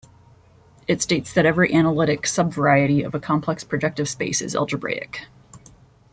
It states that every analytic subvariety of a complex projective space is algebraic.